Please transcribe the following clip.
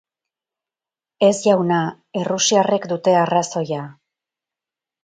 Ez jauna, errusiarrek dute arrazoia.